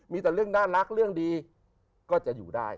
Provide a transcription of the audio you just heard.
มีแต่เรื่องน่ารักเรื่องดีก็จะอยู่ได้